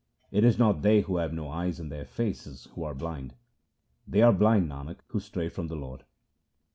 It is not they who have no eyes in their faces who are blind; They are blind, Nanak, who stray from the Lord.